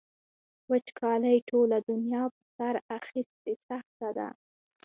وچکالۍ ټوله دنیا په سر اخیستې سخته ده.